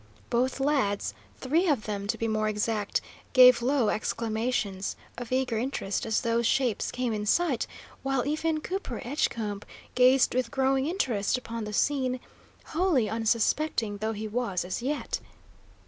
Both lads three of them, to be more exact gave low exclamations of eager interest as those shapes came in sight, while even Cooper Edgecombe gazed with growing interest upon the scene, wholly unsuspecting though he was as yet.